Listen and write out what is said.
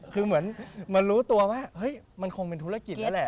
คือเหมือนมารู้ตัวว่าเฮ้ยมันคงเป็นธุรกิจแล้วแหละ